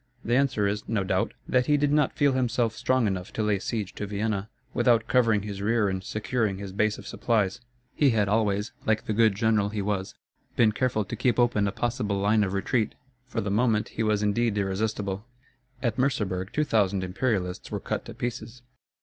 The answer is, no doubt, that he did not feel himself strong enough to lay siege to Vienna, without covering his rear and securing his base of supplies. He had always, like the good general he was, been careful to keep open a possible line of retreat. For the moment he was indeed irresistible. At Merseburg two thousand Imperialists were cut to pieces.